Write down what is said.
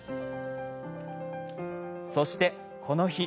そして、この日。